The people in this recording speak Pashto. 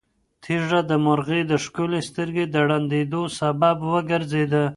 تیږه د مرغۍ د ښکلې سترګې د ړندېدو سبب وګرځېده.